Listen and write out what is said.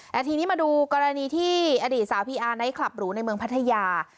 แต่ทีนี้มาดูกรณีที่อดีตสาวพีอาร์ไนท์คลับหรูในเมืองพัทยา